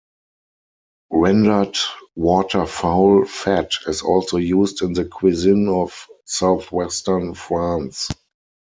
Rendered waterfowl fat is also used in the cuisine of Southwestern France.